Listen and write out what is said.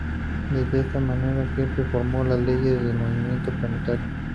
De esta manera Kepler formuló sus leyes del movimiento planetario.